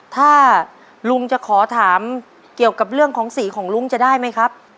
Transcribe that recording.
ถ้าลุงจะขอถามเกี่ยวกับเรื่องของสีของลุงจะได้ไหมครับ